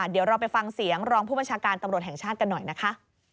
เดี๋ยวเราไปฟังเสียงรองผู้บัญชาการตำรวจแห่งชาติกันหน่อยนะคะ